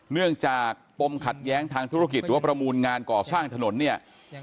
เนื่องจากปมขัดแย้งทางธุรกิจหรือว่าประมูลงานก่อสร้างถนนเนี่ย